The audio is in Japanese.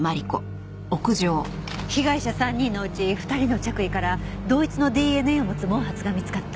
被害者３人のうち２人の着衣から同一のＤＮＡを持つ毛髪が見つかった。